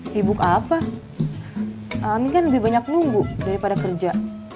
sibuk apa amin kan lebih banyak nunggu daripada kerja